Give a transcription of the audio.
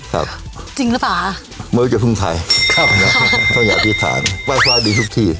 ครับจริงรึเปล่าไม่ว่าจะพึ่งใครเขาอยากอธิษฐานไหว้ฟ้าดีทุกที่